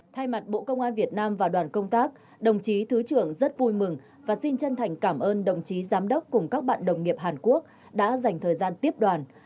thay mặt bộ công an việt nam và đoàn công tác đồng chí thứ trưởng rất vui mừng và xin chân thành cảm ơn đồng chí giám đốc cùng các bạn đồng nghiệp hàn quốc đã dành thời gian tiếp đoàn